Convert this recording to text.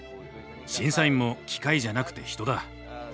審査員も機械じゃなくて人だ。